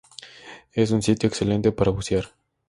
Es un sitio excelente para bucear.